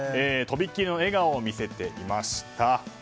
とびっきりの笑顔を見せていました。